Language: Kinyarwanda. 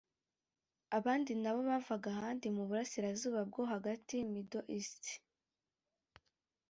Abandi nabo bavaga ahandi mu Burasirazuba bwo Hagati (Middle East)